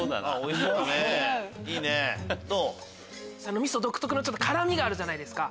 味噌独特の辛みがあるじゃないですか。